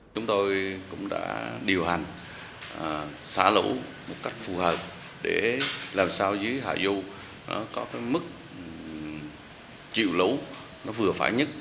chúng tôi cũng đã điều hành xả lũ một cách phù hợp để làm sao dưới hạ du có mức chịu lũ nó vừa phải nhất